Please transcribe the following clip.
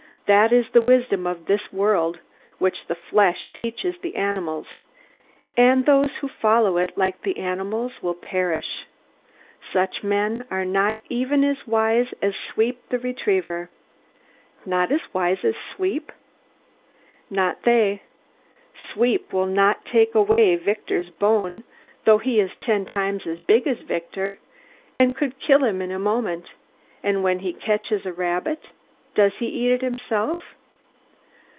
That is the wisdom of this world, which the flesh teaches the animals; and those who follow it, like the animals, will perish. Such men are not even as wise as Sweep the retriever. Not as wise as Sweep? Not they. Sweep will not take away Victor's bone, though he is ten times as big as Victor, and could kill him in a moment; and when he catches a rabbit, does he eat it himself?